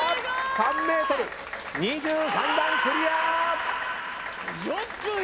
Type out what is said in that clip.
３ｍ２３段クリア！